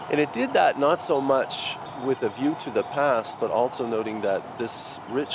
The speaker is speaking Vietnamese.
anh có thể chia sẻ thêm thông tin về mục đích